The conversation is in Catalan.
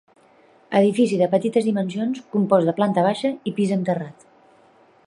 Edifici de petites dimensions compost de planta baixa i pis amb terrat.